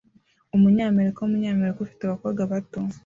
Umunyamerika wumunyamerika ufite abakobwa bato